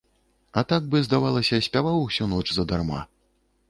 А так бы, здавалася, спяваў усю ноч задарма.